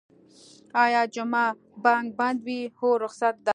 ایا جمعه بانک بند وی؟ هو، رخصت ده